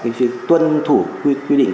quý vị tuân thủ quyết định